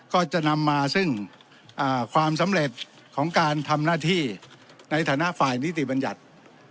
ก็จะนำมาซึ่งความสำเร็จของการทำหน้าที่ในฐานะฝ่ายนิติบัญญัติ